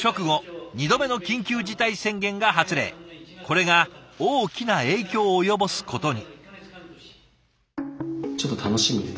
これが大きな影響を及ぼすことに。